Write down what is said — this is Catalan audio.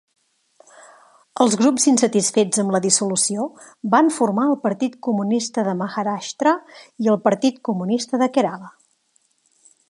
Els grups insatisfets amb la dissolució van formar el Partit Comunista de Maharashtra i el Partit Comunista de Kerala.